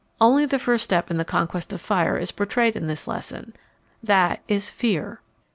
Only the first step in the conquest of fire is portrayed in this lesson. That is fear.